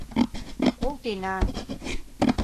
Колтена.